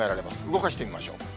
動かしてみましょう。